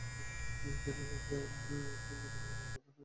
তিনি বোঝান যে, পৃথিবীতে বিরাজমান বেদনাই আমাদের মানবীয় অনুভূতির মূল উপজীব্য।